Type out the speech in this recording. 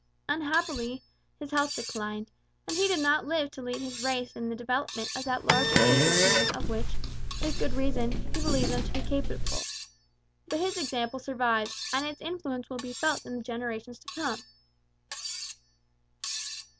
Unhappily, his health declined, and he did not live to lead his race in the development of that larger patriotism of which, with good reason, he believed them to be capable. But his example survives, and its influence will be felt in the generations to come.